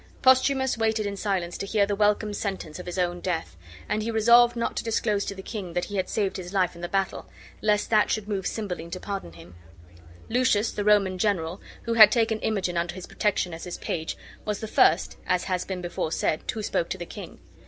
Posthumus waited in silence to hear the welcome sentence of his own death; and he resolved not to disclose to the king that he had saved his life in the battle, lest that should move Cymbeline to pardon him. Lucius, the Roman general, who had taken Imogen under his protection as his page, was the first (as has been before said) who spoke to the king.